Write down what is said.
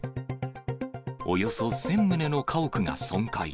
およそ１０００棟の家屋が損壊。